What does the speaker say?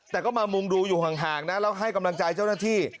แต่ก็มามุงดูอยู่ห่างนะแล้วให้กำลังใจเจ้าหน้าที่